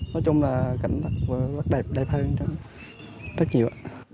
nói chung là cảnh nó đẹp đẹp hơn rất nhiều